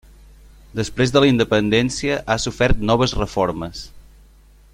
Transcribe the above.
Després de la independència ha sofert noves reformes.